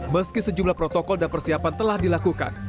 meski sejumlah protokol dan persiapan telah dilakukan